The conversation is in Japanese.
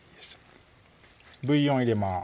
ブイヨン入れます